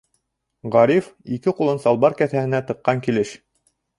Ғариф, ике ҡулын салбар кеҫәһенә тыҡҡан килеш